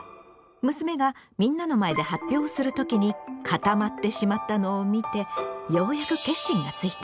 娘がみんなの前で発表をする時に固まってしまったのを見てようやく決心がついた。